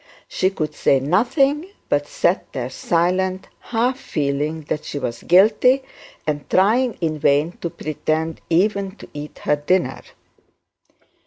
She could say nothing, but sat there silent, half feeling that she was guilty, and trying in vain to pretend even to eat her dinner.